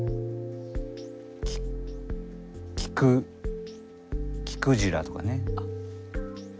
き聴く聴クジラとかね。